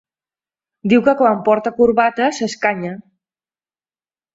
Diu que, quan porta corbata, s'escanya.